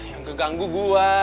yang keganggu gue